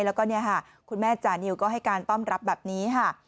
แล้วก็คุณแม่จานิลก็ให้การต้อมรับแบบนี้ค่ะ